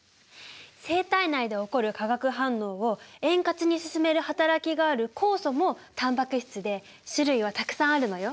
生体内で起こる化学反応を円滑に進める働きがある酵素もタンパク質で種類はたくさんあるのよ。